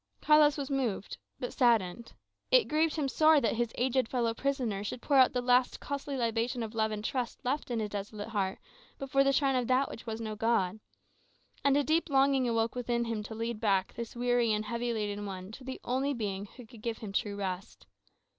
Carlos was moved, but saddened. It grieved him sore that his aged fellow prisoner should pour out the last costly libation of love and trust left in his desolated heart before the shrine of that which was no god. And a great longing awoke within him to lead back this weary and heavy laden one to the only Being who could give him true rest.